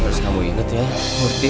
harus kamu ingat ya mufti